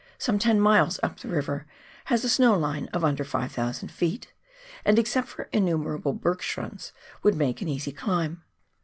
some ten miles up the river, has a snow line of under 5,000 ft., and, except for innumerable berg' schrunds, would make an easy climb.